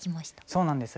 そうなんです。